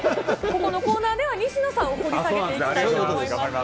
ここのコーナーでは西野さんを掘り下げていきたいと思います。